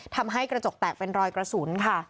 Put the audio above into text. ทำให้กระจกแตกเป็นรอยกระสุนค่ะ